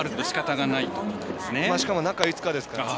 しかも中５日ですから。